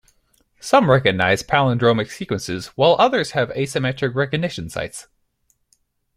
Some recognize palindromic sequences while others have asymmetric recognition sites.